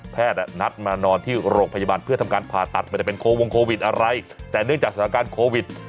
นัดมานอนที่โรงพยาบาลเพื่อทำการผ่าตัดไม่ได้เป็นโควงโควิดอะไรแต่เนื่องจากสถานการณ์โควิด